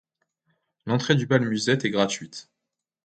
L'entrée du bal musette est gratuite.